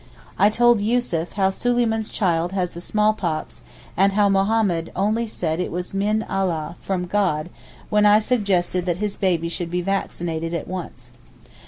I told Yussuf how Suleyman's child has the smallpox and how Mohammed only said it was Min Allah (from God) when I suggested that his baby should be vaccinated at once.